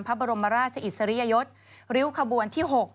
พระบรมราชอิสริยยศริ้วขบวนที่๖